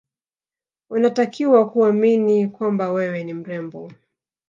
unatakiwa kuamini kwamba wewe ni mrembo